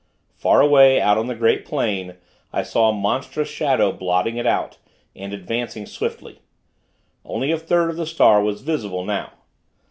Far away out on the great plain, I saw a monstrous shadow blotting it out, and advancing swiftly. Only a third of the star was visible now.